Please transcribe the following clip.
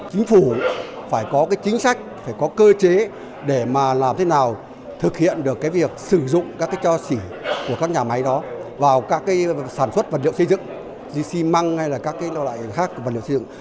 chính phủ phải có chính sách phải có cơ chế để làm thế nào thực hiện được việc sử dụng các chó xỉ của các nhà máy đó vào các sản xuất vật liệu xây dựng xì măng hay là các loại khác vật liệu xây dựng